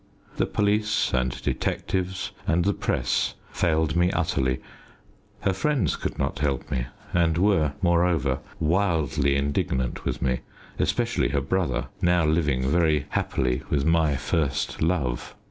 The police and detectives and the Press failed me utterly. Her friends could not help me, and were, moreover, wildly indignant with me, especially her brother, now living very happily with my first love.